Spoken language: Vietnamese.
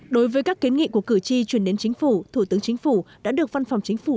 đối với các kiến nghị của cử tri chuyển đến chính phủ thủ tướng chính phủ đã được văn phòng chính phủ